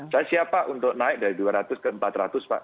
saya siapa untuk naik dari dua ratus ke empat ratus pak